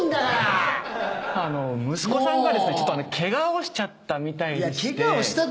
息子さんがですねちょっとケガをしちゃったみたいでして。